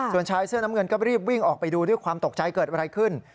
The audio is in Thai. ส่วนชายเสื้อน้ำเงินก็รีบวิ่งออกไปดูด้วยความตกใจเกิดอะไรขึ้น